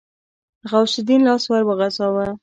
غوث الدين لاس ور وغځاوه.